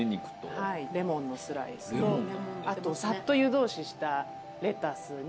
レモンのスライスとあとさっと湯通ししたレタスに。